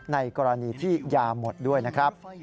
ในกรณีที่ยาหมดด้วยนะครับ